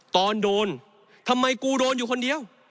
ตอนโดนทำไมกูโดนอยู่คนเดียว